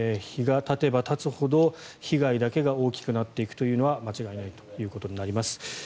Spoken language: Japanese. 日がたてばたつほど被害だけが大きくなっていくというのは間違いないということになります。